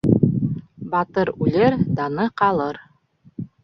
Батыр үлер, даны ҡалыр.